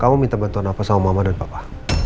kamu minta bantuan apa sama mama dan papa